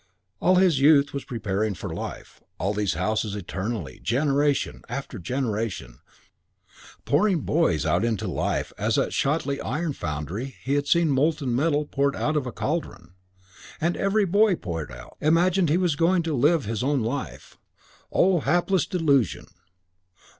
All this youth was preparing for life; all these houses eternally, generation after generation, pouring boys out into life as at Shotley iron foundry he had seen molten metal poured out of a cauldron. And every boy, poured out, imagined he was going to live his own life. O hapless delusion!